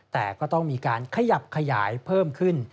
แต่ก็ต้องมีการขยับขยายเพิ่มขึ้น